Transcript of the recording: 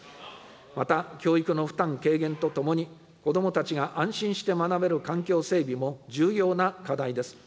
また、教育の負担軽減とともに、子どもたちが安心して学べる環境整備も重要な課題です。